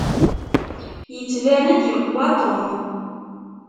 Yettban-d yeqwa Tom.